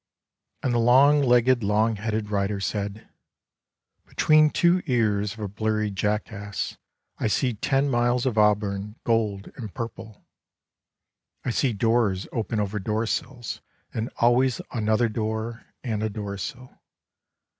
" And the long legged long headed rider said: " Between two ears of a blurry jackass I see ten miles of auburn, gold and purple — I see doors open over doorsills And always another door and a doorsill.